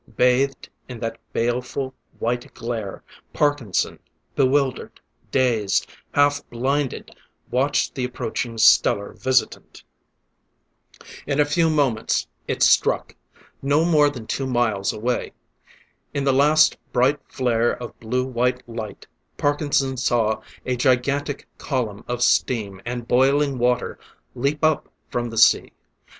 Bathed in that baleful, white glare, Parkinson, bewildered, dazed, half blinded, watched the approaching stellar visitant. In a few moments it struck no more than two miles away. In the last, bright flare of blue white light, Parkinson saw a gigantic column of steam and boiling water leap up from the sea.